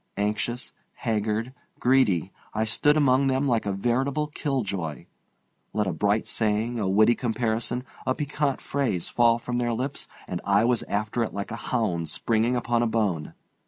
Anxious, haggard, greedy, I stood among them like a veritable killjoy. Let a bright saying, a witty comparison, a piquant phrase fall from their lips and I was after it like a hound springing upon a bone.